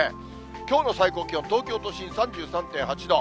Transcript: きょうの最高気温、東京都心３３．８度。